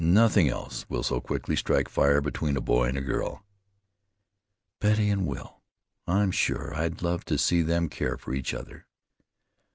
Nothing else will so quickly strike fire between a boy and a girl." "Betty and Will! I'm sure I'd love to see them care for each other."